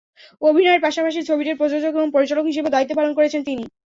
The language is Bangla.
অভিনয়ের পাশাপাশি ছবিটির প্রযোজক এবং পরিচালক হিসেবেও দায়িত্ব পালন করেছেন তিনি।